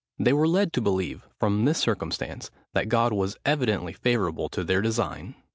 They were led to believe, from this circumstance, that God was evidently favourable to their design.